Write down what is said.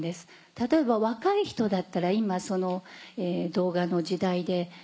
例えば若い人だったら今動画の時代で。